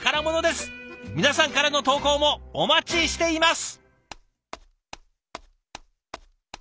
皆さんからの投稿もお待ちしています。